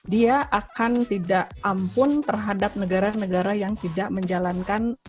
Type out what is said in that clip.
dia akan tidak ampun terhadap negara negara yang tidak menjalankan